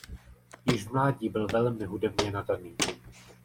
Již v mládí byl velmi hudebně nadaný.